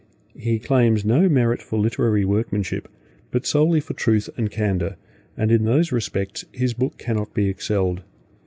He claims no merit for literary workmanship, but solely for truth and candour, and in those respects his book cannot be excelled.